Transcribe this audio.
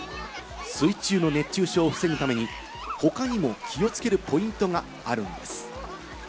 水中の熱中症を防ぐために、他にも気をつけるポイントがあるんです。